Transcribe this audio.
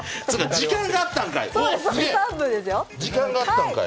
時間があったんかい。